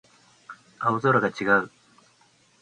青空が違う